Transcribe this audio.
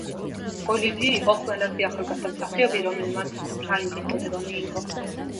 ოლივიე იყო ყველაზე ახალგაზრდა მსახიობი, რომელმაც რაინდის წოდება მიიღო.